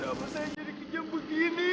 kenapa saya jadi kejam begini